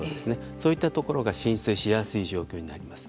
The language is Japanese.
そういったところが浸水しやすい状況になります。